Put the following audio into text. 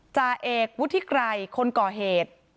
จ่าเอกวุฒิไกรคนก่อเหตุ